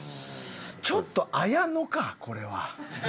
ちょっと綾野かこれは。